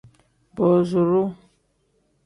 Booziru.